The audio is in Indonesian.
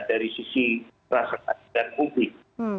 dari sisi rasakan dan publik